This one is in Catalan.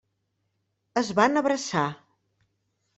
Es van abraçar.